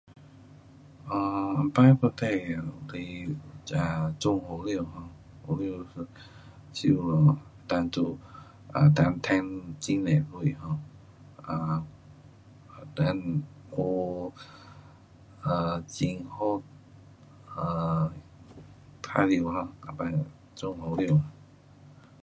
um 以前我种的这种胡椒 um 胡椒收了可以做，可赚很多钱咯，[um]then 我 um 很好 um 玩耍咯,以前做胡椒。